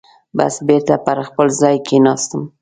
بس بېرته پر خپل ځای کېناستم.